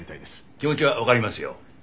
気持ちは分かりますよ。